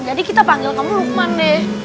jadi kita panggil kamu lukman deh